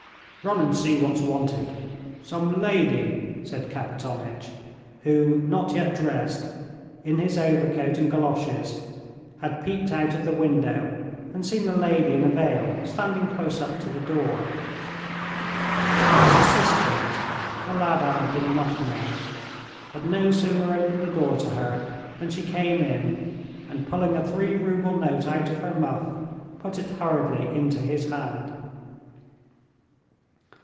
"Run and see what's wanted. Some lady," said Kapitonitch, who, not yet dressed, in his overcoat and galoshes, had peeped out of the window and seen a lady in a veil standing close up to the door. His assistant, a lad Anna did not know, had no sooner opened the door to her than she came in, and pulling a three rouble note out of her muff put it hurriedly into his hand.